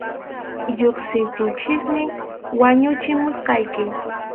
Lluqsiptinchikmi wañuchimusqayki.